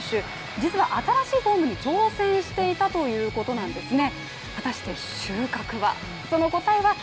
実は、新しいフォームに挑戦していたということなんですね。